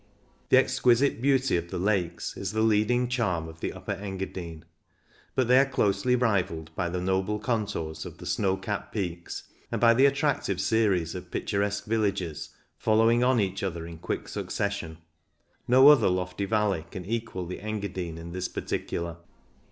The exquisite beauty of the lakes is the leading charm of the Upper Engadine ; but they are closely rivalled by the noble contours of the snow capped peaks, and by the attractive series of picturesque villages, following on each other in quick succession. No other lofty valley can equal the Enga dine in this particular.